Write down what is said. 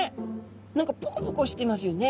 何かポコポコしていますよね。